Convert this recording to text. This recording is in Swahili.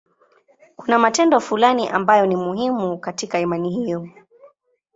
Kuna matendo fulani ambayo ni muhimu katika imani hiyo.